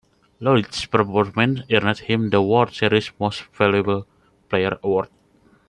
Lolich's performance earned him the World Series Most Valuable Player Award.